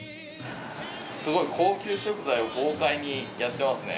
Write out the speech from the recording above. すごい高級食材を豪快にやってますね。